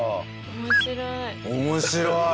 面白い。